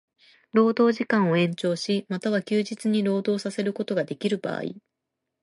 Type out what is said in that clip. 労働時間を延長し、又は休日に労働させることができる場合